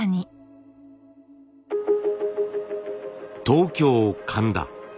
東京神田。